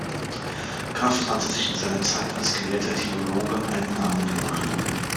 Kraft hatte sich in seiner Zeit als gelehrter Theologe einen Namen gemacht.